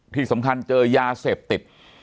ที่สำคัญเจอยาเสพติด